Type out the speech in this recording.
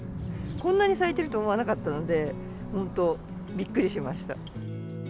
こんなに咲いてると思わなかったので、本当、びっくりしました。